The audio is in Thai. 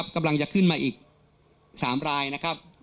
กำลังจะขึ้นมาอีก๓รายนะครับ